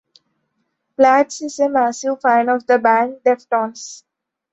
Flats is a massive fan of the band Deftones.